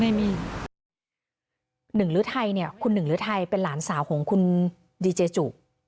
ไม่มีหนึ่งฤทัยเนี่ยคุณหนึ่งฤทัยเป็นหลานสาวของคุณดีเจจุก